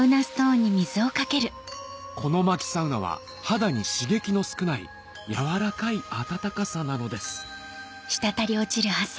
この薪サウナは肌に刺激の少ない柔らかい暖かさなのです